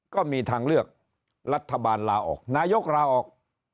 ก็มีทางเลือกรัฐบาลลาออกนายกลาออก